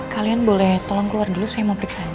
kalian boleh tolong keluar dulu saya mau periksa andi